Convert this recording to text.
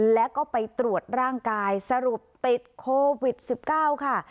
แล้วก็ไปตรวจร่างกายสรุปติดโควิด๑๙ค่ะ